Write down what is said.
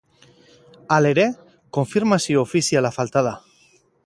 Halere, konfirmazio ofiziala falta da.